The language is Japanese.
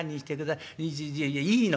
いいやいいの。